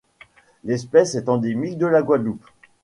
L'espèce est endémique de la Guadeloupe.